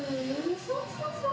そうそうそう。